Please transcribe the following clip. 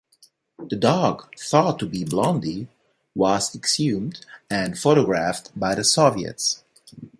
The dog thought to be Blondi was exhumed and photographed by the Soviets.